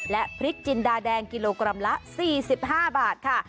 และพริกจินดาแดงกิโลกรัมละ๔๕บาทค่ะ